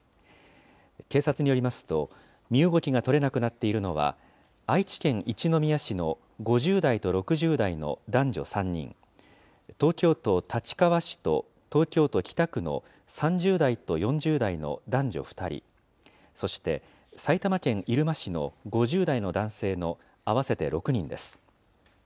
警察によりますと、身動きが取れなくなっているのは、愛知県一宮市の５０代と６０代の男女３人、東京都立川市と東京都北区の３０代と４０代の男女２人、そして埼玉県入間市の５０代の男性の合わせて６人です。